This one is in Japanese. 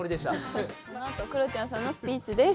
このあとクロちゃんさんのスピーチです。